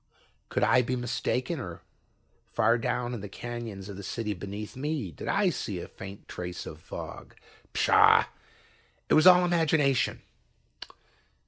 Could I be mistaken, or far down in the canyons of the city beneath me did I see a faint trace of fog? Pshaw! It was all imagination.